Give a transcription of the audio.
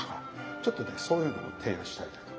ちょっとねそういうのを提案したいなと。